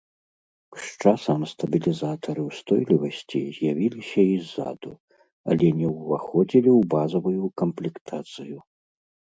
З часам стабілізатары ўстойлівасці з'явіліся і ззаду, але не ўваходзілі ў базавую камплектацыю.